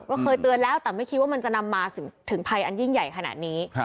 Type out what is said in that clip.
ก็เคยเตือนแล้วแต่ไม่คิดว่ามันจะนำมาถึงภัยอันยิ่งใหญ่ขนาดนี้